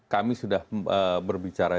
kami sudah berbicara